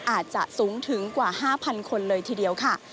อาจจะสูงถึงกว่า๕๐๐คนเลยทีเดียวค่ะ